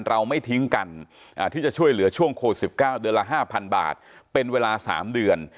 เราไม่ทิ้งกันที่จะช่วยเหลือช่วงโควิด๑๙เดือนละ๕๐๐บาทเป็นเวลา๓เดือน